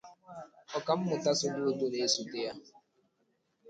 Ọkammụta Soludo na osote ya